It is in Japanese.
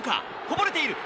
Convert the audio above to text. こぼれている。